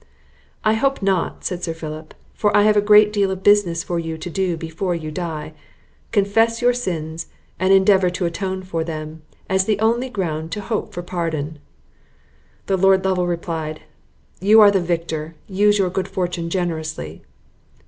"I hope not," said Sir Philip, "for I have a great deal of business for you to do before you die: confess your sins, and endeavour to atone for them, as the only ground to hope for pardon." Lord Lovel replied, "You are the victor, use your good fortune generously!"